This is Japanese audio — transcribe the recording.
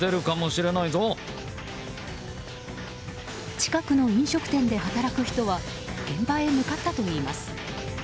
近くの飲食店で働く人は現場へ向かったといいます。